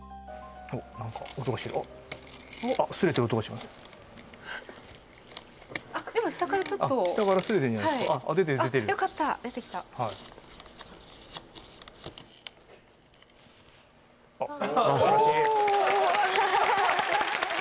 何か音がしてるあっあっすれてる音がしますでも下からちょっと下からすれてんじゃないですか出てる出てるよかった出てきたお！